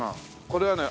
これはね